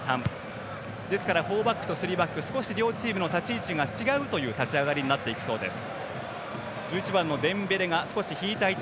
ですから、フォーバックとスリーバック少し両チームの立ち位置が違うという立ち上がりになっていきそうです。